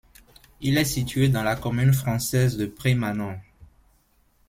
Il est situé dans la commune française de Prémanon.